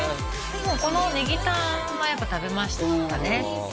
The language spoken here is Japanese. もうこのねぎタンはやっぱ食べましたね